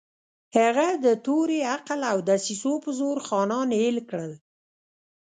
هغه د تورې، عقل او دسیسو په زور خانان اېل کړل.